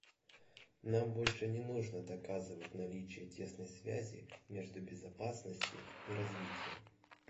Нам больше не нужно доказывать наличие тесной связи между безопасностью и развитием.